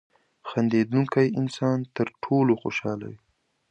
• خندېدونکی انسان تر ټولو خوشحاله وي.